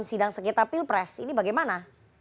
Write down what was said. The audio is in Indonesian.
sidang sengketa pilpres ini bagaimana